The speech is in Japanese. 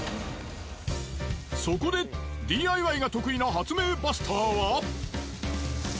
そこでＤＩＹが得意な発明バスターは。